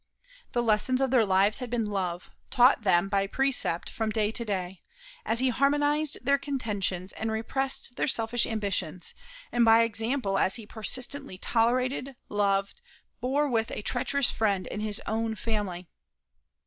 The lesson of their lives had been love, taught them by precept from day to day, as he harmonized their contentions and repressed their selfish ambitions; and by example, as he persistently tolerated, loved, bore with a treacherous friend in his own family.